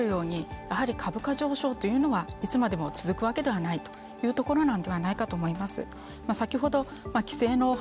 木内さんがおっしゃるようにやはり株価上昇というのはいつまでも続くわけではないというところなのではないかと思います。